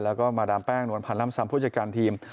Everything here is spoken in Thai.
แล้วก็มาดามแป้งนวลพันธ์ล่ำซ้ำผู้จัดการทีม